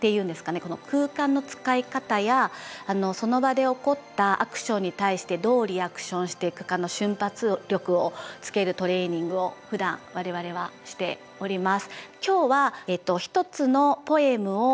この空間の使い方やその場で起こったアクションに対してどうリアクションしていくかの瞬発力をつけるトレーニングをふだん我々はしております。